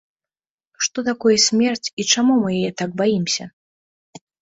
Што такое смерць і чаму мы яе так баімся?